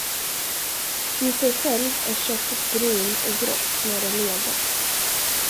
I sig själv är köttet brunt och grått, när det legat.